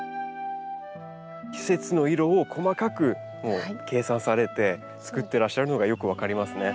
季節の色を細かく計算されてつくってらっしゃるのがよく分かりますね。